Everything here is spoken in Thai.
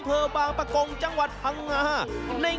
ตลับข่าวข่ำวันนี้